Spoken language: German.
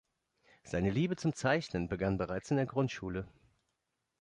Seine Liebe zum Zeichnen begann bereits in der Grundschule.